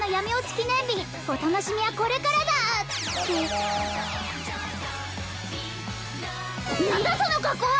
記念日お楽しみはこれからだって何だその格好は！